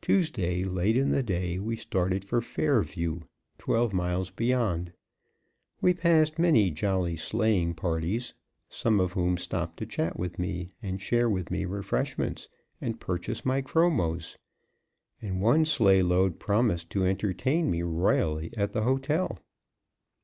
Tuesday, late in the day, we started for Fairview, twelve miles beyond. We passed many jolly sleighing parties, some of whom stopped to chat with me, and share with me refreshments, and purchase my chromos; and one sleigh load promised to entertain me royally at the hotel.